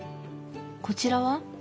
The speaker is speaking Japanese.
こちらは。